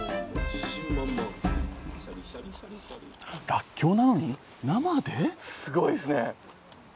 らっきょうなのに生で⁉すごいですね。